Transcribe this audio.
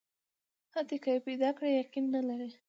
حتی که یې پیدا کړي، یقین نه لري.